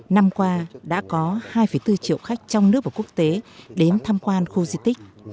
năm qua đã có hai bốn triệu khách trong nước và quốc tế đến tham quan khu di tích